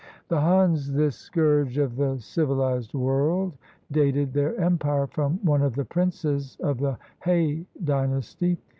The Huns, this scourge of the civilized world, dated their empire from one of the princes of the Hea Dynasty.